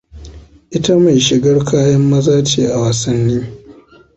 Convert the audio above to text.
Ita mai shigar kayan maza ce a wasanni.